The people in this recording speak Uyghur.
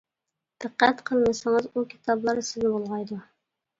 دىققەت قىلمىسىڭىز ئۇ كىتابلار سىزنى بۇلغايدۇ.